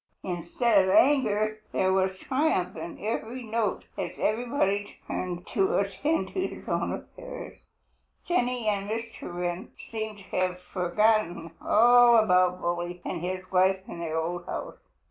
Instead of anger there was triumph in every note as everybody returned to attend to his own affairs. Jenny and Mr. Wren seemed to have forgotten all about Bully and his wife in their old house.